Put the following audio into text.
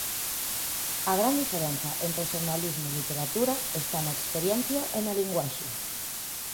A gran diferenza entre xornalismo e literatura está na experiencia e na linguaxe.